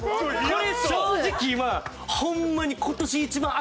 これ正直今ホンマに。